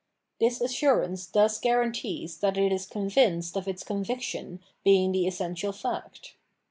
This assurance thus guarantees that it is convinced of its conviction being the essential fact.